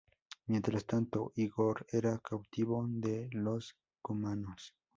Mientras tanto, Ígor era cautivo de los cumanos.